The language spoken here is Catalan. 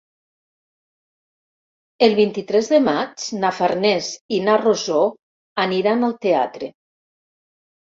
El vint-i-tres de maig na Farners i na Rosó aniran al teatre.